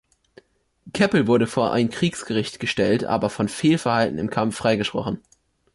Keppel wurde vor ein Kriegsgericht gestellt, aber von Fehlverhalten im Kampf freigesprochen.